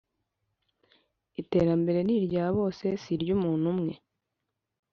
iterambere ni irya bose si iry’umuntu umwe,